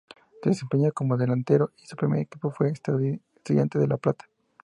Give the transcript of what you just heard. Se desempeñaba como delantero y su primer equipo fue Estudiantes de La Plata.